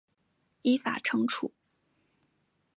依法惩处